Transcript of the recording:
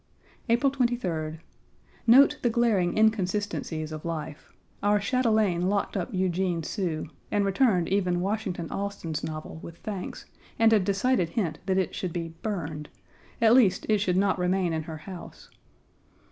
April 23d. Note the glaring inconsistencies of life. Our chatelaine locked up Eugene Sue, and returned even Washington Allston's novel with thanks and a decided hint that it should be burned; at least it should not remain in her house.